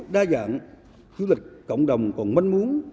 đa dạng du lịch cộng đồng còn mân muốn